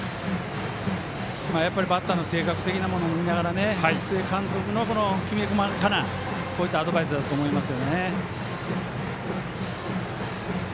バッターの性格的なものを見ながら須江監督のきめこまやかなアドバイスだと思います。